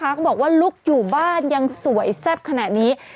เขาบอกว่าลุกอยู่บ้านยังสวยแซ่บขนาดนี้